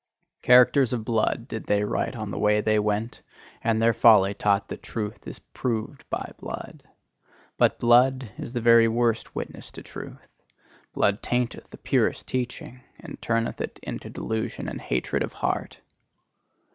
Characters of blood did they write on the way they went, and their folly taught that truth is proved by blood. But blood is the very worst witness to truth; blood tainteth the purest teaching, and turneth it into delusion and hatred of heart.